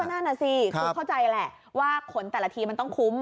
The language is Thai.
นั่นน่ะสิคือเข้าใจแหละว่าขนแต่ละทีมันต้องคุ้ม